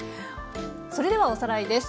それではおさらいです。